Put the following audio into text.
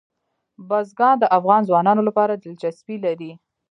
بزګان د افغان ځوانانو لپاره دلچسپي لري.